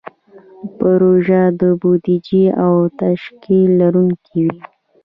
پروژه د بودیجې او تشکیل لرونکې وي.